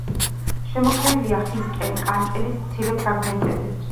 შემორჩენილია ხის კანკელის მცირე ფრაგმენტები.